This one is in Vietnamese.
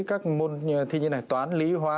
các môn thi như thế này toán lý hóa